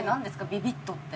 「ビビッと」って。